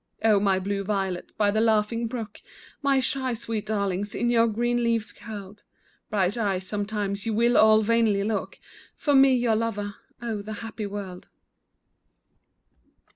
Oh, my blue violets by the laughing brook! My shy, sweet darlings, in your green leaves curled, Bright eyes, sometime you will all vainly look For me, your lover. Oh, the happy world!